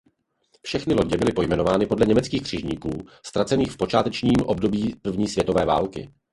Všechny lodě byly pojmenovány podle německých křižníků ztracených v počátečním období první světové války.